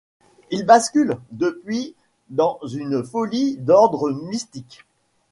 Il bascule, depuis, dans une folie d'ordre mystique.